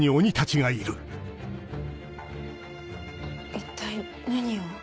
一体何を？